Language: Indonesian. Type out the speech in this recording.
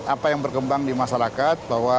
apa yang berkembang di masyarakat bahwa